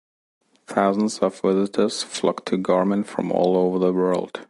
Thousands of visitors flocked to Gorman from all over the world.